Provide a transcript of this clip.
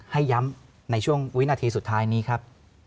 ให้ย้ำในช่วงวินาทีสุดท้ายนี้ครับ